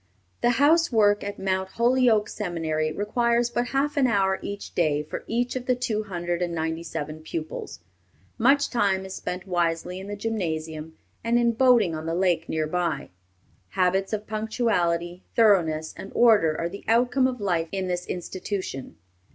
The housework at Mount Holyoke Seminary requires but half an hour each day for each of the two hundred and ninety seven pupils. Much time is spent wisely in the gymnasium, and in boating on the lake near by. Habits of punctuality, thoroughness, and order are the outcome of life in this institution.